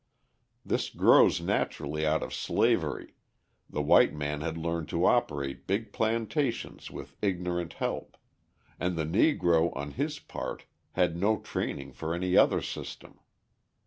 This grows naturally out of slavery; the white man had learned to operate big plantations with ignorant help; and the Negro on his part had no training for any other system.